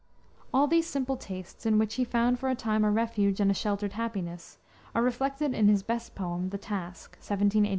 All these simple tastes, in which he found for a time a refuge and a sheltered happiness, are reflected in his best poem, The Task, 1785.